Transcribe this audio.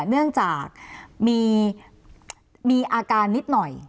เนื่องจากมีอาการนิดหน่อย